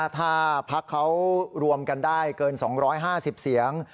ถ้าพักเขารวมกันได้เกิน๒๕๐เสียง